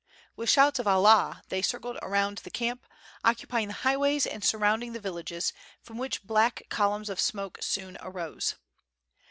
With shouts of "Allah!" they circled around the camp, occupying the highways and surrounding the villages, from which black columns of smoke soon arose.